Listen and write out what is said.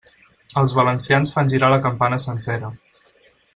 Els valencians fan girar la campana sencera.